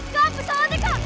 kak pesawatnya kak